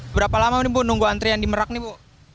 berapa lama nih bu nunggu antrian di merak nih bu